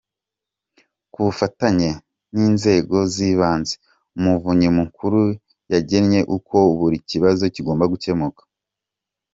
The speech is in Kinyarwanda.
Ku bufatanye n’inzego z’ibanze, Umuvunyi Mukuru yagennye uko buri kibazo kigomba gukemuka.